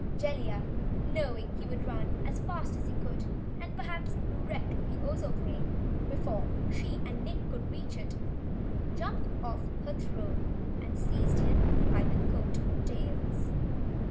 Jellia, knowing he would run as fast as he could and perhaps wreck the Ozoplane before she and Nick could reach it, jumped off her throne and seized him by the coat tails.